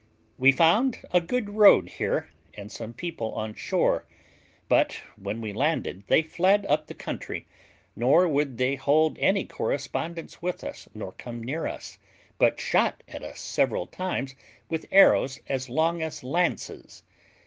We found a good road here, and some people on shore; but when we landed, they fled up the country, nor would they hold any correspondence with us, nor come near us, but shot at us several times with arrows as long as lances.